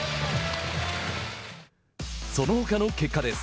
そのほかの結果です。